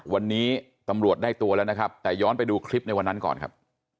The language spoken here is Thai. วันนี้ตำรวจได้ตัวแล้วนะครับแต่ย้อนไปดูคลิปในวันนั้นก่อนครับ